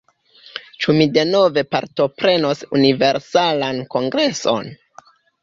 Ĉu mi denove partoprenos Universalan Kongreson?